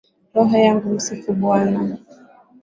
Roho yangu msifu Bwana.